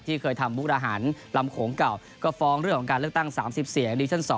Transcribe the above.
เคยทำมุกดาหารลำโขงเก่าก็ฟ้องเรื่องของการเลือกตั้ง๓๐เสียงดิชั่น๒